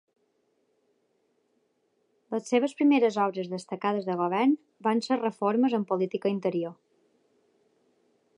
Les seves primeres obres destacades de govern van ser reformes en política interior.